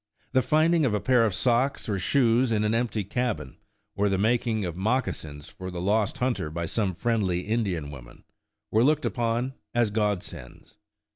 The finding of a pair of socks or shoes in an empty cabin, or the mak ing of moccasins for the lost hunter by some friendly Indian woman, were looked upon as godsends.